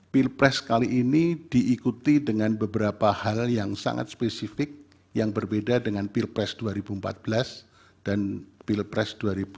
pilpres kali ini diikuti dengan beberapa hal yang sangat spesifik yang berbeda dengan pilpres dua ribu empat belas dan pilpres dua ribu sembilan belas